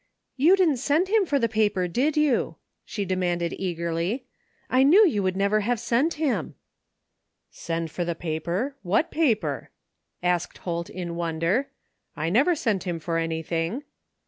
" You didn't send him for the paper, did you ?" she demanded eagerly. " I knew you would never have sent him." " Send for the paper, what paper? " asked Holt in wonder. " I never sent him for anything."